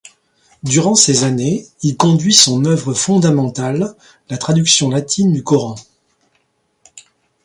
Durant ces années, il conduit son œuvre fondamentale, la traduction latine du Coran.